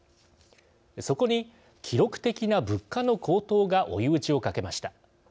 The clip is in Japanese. そこに、記録的な物価の高騰が追い打ちをかけました。